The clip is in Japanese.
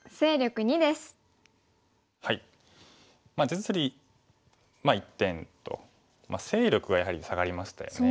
実利１点と勢力がやはり下がりましたよね